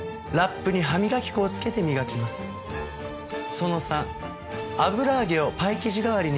その３。